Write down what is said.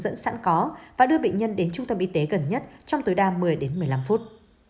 dẫn sẵn có và đưa bệnh nhân đến trung tâm y tế gần nhất trong tối đa một mươi đến một mươi năm phút